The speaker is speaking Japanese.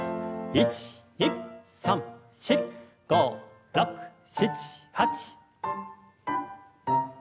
１２３４５６７８。